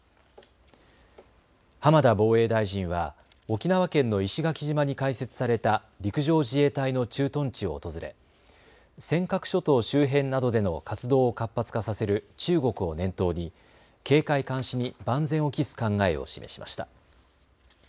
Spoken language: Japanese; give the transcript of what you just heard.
浜田防衛大臣は沖縄県の石垣島に開設された陸上自衛隊の駐屯地を訪れ尖閣諸島周辺などでの活動を活発化させる中国を念頭に警戒監視に万全を期す考えを示しました。